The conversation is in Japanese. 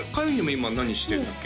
今何してんだっけ？